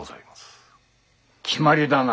決まりだな？